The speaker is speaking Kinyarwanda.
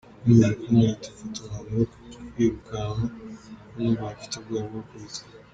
Yakomeje kunkubita mfata umwanzuro wo kwirukanka kuko numvaga mfite ubwoba bwo gukubitwa.